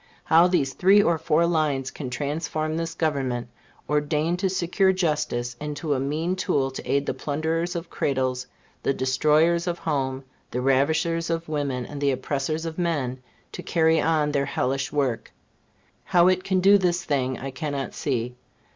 How these three or four lines can transform this Government, ordained to secure justice, into a mean tool to aid the plunderers of cradles, the destroyers of home, the ravishers of women, and the oppressors of men, to carry on their hellish work how it can do this thing, I cannot see.